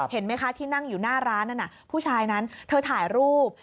เห็นไหมคะที่นั่งอยู่หน้าร้านนั้นผู้ชายนั้นเธอถ่ายรูป